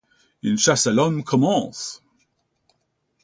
Une chasse à l'homme commence…